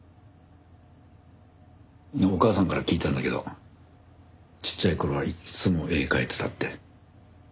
お母さんから聞いたんだけどちっちゃい頃はいっつも絵描いてたって。